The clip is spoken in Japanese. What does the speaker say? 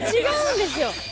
違うんですよ。